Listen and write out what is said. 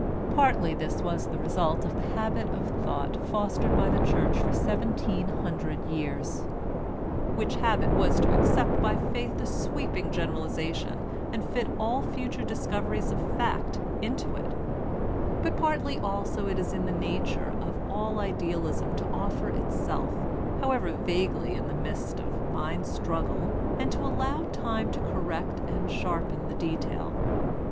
Partly this was the result of the habit of thought fostered by the Church for seventeen hundred years, — which habit was to accept by faith a sweeping generalization and fit all future discoveries of fact into it; but partly also it is in the nature of all idealism to offer itself, however vaguely in the mist of mind struggle, and allow time to correct and sharpen the detail.